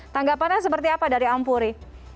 tanggapannya seperti apa dari ampuri